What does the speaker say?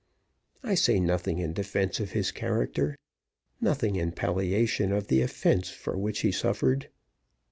I say nothing in defense of his character nothing in palliation of the offense for which he suffered.